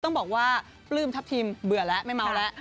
ต้องบอกว่าปลื้มทัพทีมเบื่อแล้วไม่เมาแล้ว